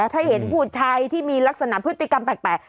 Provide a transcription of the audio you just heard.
ถ้าเห็นผู้ชายที่มีลักษณะพฤติกรรมแปลก